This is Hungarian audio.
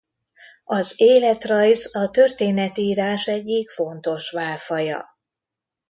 Az életrajz a történetírás egyik fontos válfaja.